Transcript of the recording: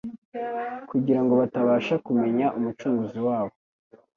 kugira ngo batabasha kumenya Umucunguzi wabo